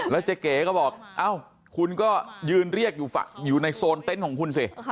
เจ๊เก๋ก็บอกเอ้าคุณก็ยืนเรียกอยู่ในโซนเต็นต์ของคุณสิ